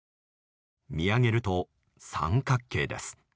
見上げると三角形です。